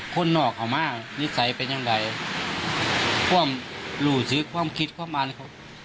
คนนอกเขามากนิสัยเป็นอย่างใดความหลู่ซึกความคิดความอ้านเขา